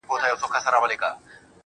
خاونده خدايه ستا د نور له دې جماله وځم~